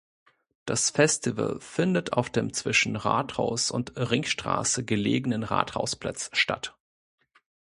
Das Festival findet auf dem zwischen Rathaus und Ringstraße gelegenen Rathausplatz statt.